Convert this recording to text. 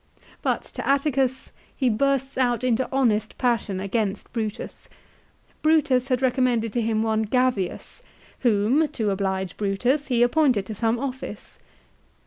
But to Atticus he bursts out into honest passion against Brutus. Brutus had recommended to him one Gavius, whom, to oblige Brutus, he appointed to some office.